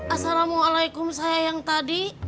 assalamualaikum sayang tadi